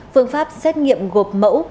phương pháp xét nghiệm gộp mẫu